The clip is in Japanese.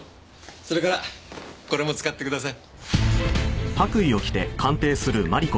それからこれも使ってください。